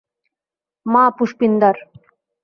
মা, পুষ্পিনদার।